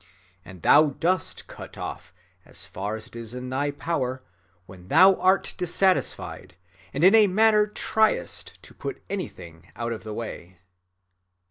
And thou dost cut off, as far as it is in thy power, when thou art dissatisfied, and in a manner triest to put anything out of the way."